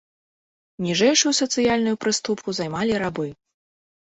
Ніжэйшую сацыяльную прыступку займалі рабы.